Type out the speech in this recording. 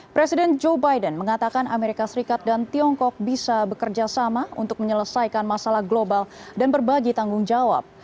presiden joe biden mengatakan amerika serikat dan tiongkok bisa bekerja sama untuk menyelesaikan masalah global dan berbagi tanggung jawab